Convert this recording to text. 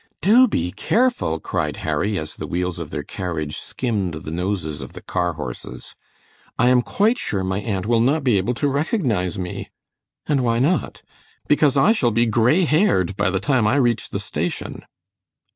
"Do be careful," cried Harry, as the wheels of their carriage skimmed the noses of the car horses. "I am quite sure my aunt will not be able to recognize me." "And why not?" "Because I shall be gray haired by the time I reach the station."